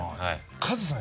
カズさん